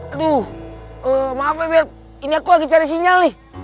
aduh maaf bebek ini aku lagi cari sinyal nih